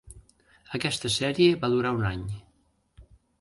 Aquesta sèrie va durar un any.